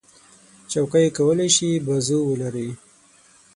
چوکۍ کولی شي بازو ولري.